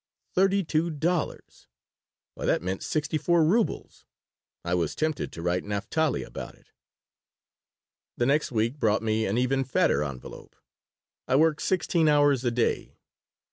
Thirty two dollars! Why, that meant sixty four rubles! I was tempted to write Naphtali about it The next week brought me an even fatter envelope. I worked sixteen hours a day.